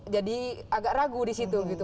jadi agak ragu di situ gitu